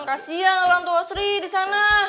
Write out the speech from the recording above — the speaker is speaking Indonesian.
kasian orang tua sri di sana